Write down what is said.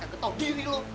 dasar kagak tahu diri lo